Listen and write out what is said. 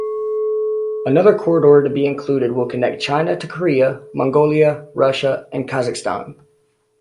Another corridor to be included will connect China to Korea, Mongolia, Russia and Kazakhstan.